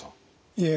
いえ